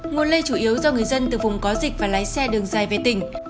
nguồn lây chủ yếu do người dân từ vùng có dịch và lái xe đường dài về tỉnh